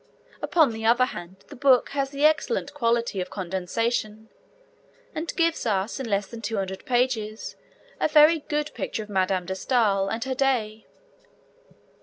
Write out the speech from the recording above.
Upon the other hand, the book has the excellent quality of condensation, and gives us in less than two hundred pages a very good picture of Madame de Stael and her day.